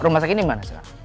rumah sakit ini dimana sekarang